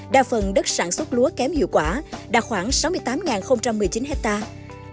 đa phần đất sản xuất lúa kém hiệu quả đạt khoảng sáu mươi tám một mươi chín hectare